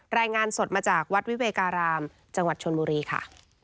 รายงานสดมาจากวัดวิเวการามจังหวัดชนบุรีค่ะ